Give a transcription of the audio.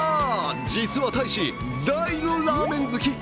実は大使、大のラーメン好き。